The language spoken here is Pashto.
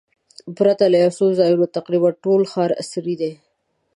پرته له یو څو ځایونو تقریباً ټول ښار عصري دی.